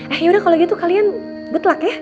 eh ya udah kalau gitu kalian good luck ya